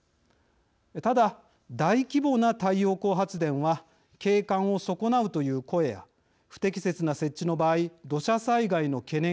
ただ大規模な太陽光発電は景観を損なうという声や不適切な設置の場合土砂災害の懸念が指摘されます。